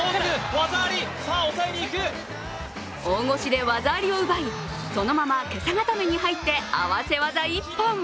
大腰で技ありを奪い、そのまま袈裟固に入って、合わせ技１本。